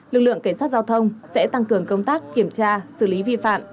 lực lượng cảnh sát giao thông sẽ tăng cường công tác kiểm tra xử lý vi phạm